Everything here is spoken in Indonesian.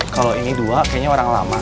kalau ini dua kayaknya orang lama